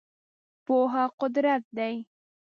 پوهه قدرت دی .